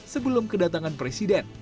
sebelum kedatangan presiden